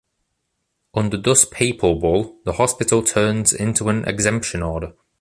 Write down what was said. Under thus papal bull, the Hospital turns into an exemption Order.